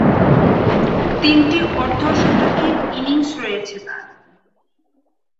তিনটি অর্ধ-শতকের ইনিংস রয়েছে তার।